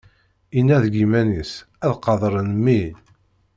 Inna deg yiman-is: Ad qadṛen mmi.